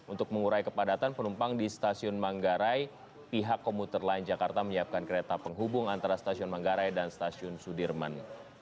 untuk mengurai kepadatan penumpang di stasiun manggarai pihak komuter lain jakarta menyiapkan kereta penghubung antara stasiun manggarai dan stasiun sudirman